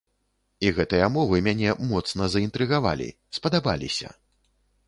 І гэтыя мовы мяне моцна заінтрыгавалі, спадабаліся.